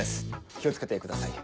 気を付けてください。